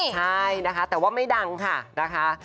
ใช่นะคะแต่ว่าไม่ดังค่ะนะคะ